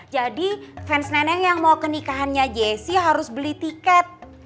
jadi fans neneng yang mau ke nikahannya jessy harus beli tiket